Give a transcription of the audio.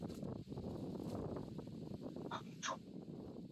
隆兴二年赐同进士出身。